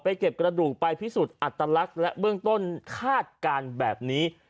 เก็บกระดูกไปพิสูจน์อัตลักษณ์และเบื้องต้นคาดการณ์แบบนี้